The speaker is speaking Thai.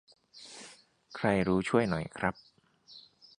ใครรู้ช่วยหน่อยครับ